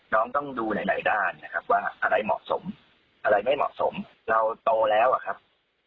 น้องต้องดูหลายด้านนะครับว่าอะไรเหมาะสมอะไรไม่เหมาะสมเราโตแล้วอะครับ